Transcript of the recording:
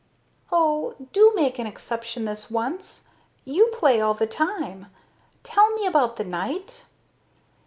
"Oh, do make an exception this once. You play all the time. Tell me about the night."